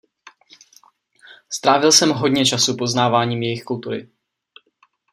Strávil jsem hodně času poznáváním jejich kultury.